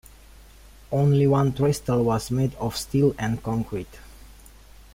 Only one trestle was made of steel and concrete.